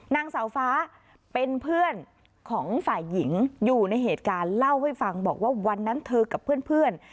นางสาวฟ้าเป็นเพื่อนของฝ่ายหญิงอยู่ในเหตุการณ์เล่าให้ฟังบอกว่าวันนั้นเธอกับเพื่อน